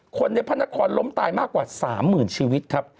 คนในพระนครล้มตายมากกว่า๓๐๐๐ชีวิตครับ